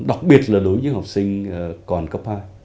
đặc biệt là đối với những học sinh còn cấp hai